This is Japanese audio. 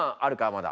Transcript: まだ。